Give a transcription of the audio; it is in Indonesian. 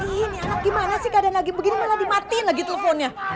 ini anak gimana sih keadaan lagi begini malah dimatiin lagi teleponnya